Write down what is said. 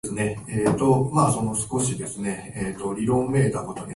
びっくりしたよー